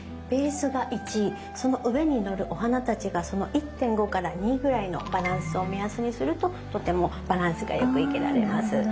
ベースが１その上にのるお花たちがその１．５から２ぐらいのバランスを目安にするととてもバランスがよく生けられます。